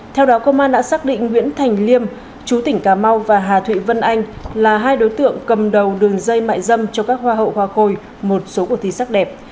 theo đó công an đã xác định nguyễn thành liêm chú tỉnh cà mau và hà thụy vân anh là hai đối tượng cầm đầu đường dây mại dâm cho các hoa hậu hoa khôi một số cuộc thi sắc đẹp